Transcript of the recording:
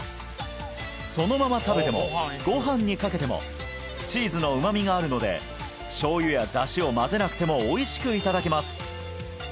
そのまま食べてもご飯にかけてもチーズの旨味があるので醤油や出汁を混ぜなくてもおいしく頂けます